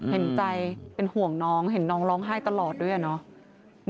เห็นใจเป็นห่วงน้องเห็นน้องร้องไห้ตลอดด้วยอะเนาะ